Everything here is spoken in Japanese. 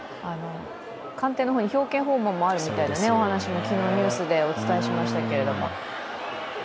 官邸の方に表敬訪問があるようなお話も昨日、ニュースでお伝えしましたけれども。